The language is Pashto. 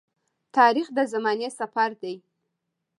تاریخ د زمانې سفر دی.